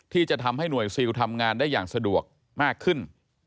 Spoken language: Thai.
ที่จะทำให้หน่วยซิลทำงานได้อย่างสะดวกมากขึ้น